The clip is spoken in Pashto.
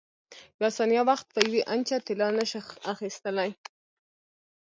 یوه ثانیه وخت په یوې انچه طلا نه شې اخیستلای.